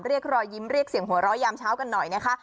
เรียกรอยยิ้มเรียกเสียงหัวเราะยามเช้ากันหน่อยนะคะ